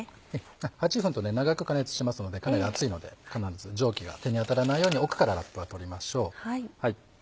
８分と長く加熱しますのでかなり熱いので必ず蒸気が手に当たらないように奥からラップは取りましょう。